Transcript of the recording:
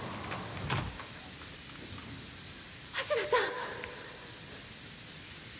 橋田さん！